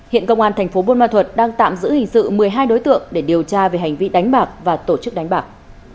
hiện công an thành phố buôn ma thuật đang tạm giữ hình sự một mươi hai đối tượng để điều tra về hành vi đánh bạc và tổ chức đánh bạc